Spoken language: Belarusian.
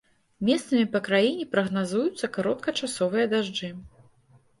Месцамі па краіне прагназуюцца кароткачасовыя дажджы.